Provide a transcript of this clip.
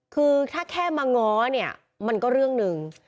คือถ้าแค่มาง้อเนี่ยมันก็เรื่องหนึ่ง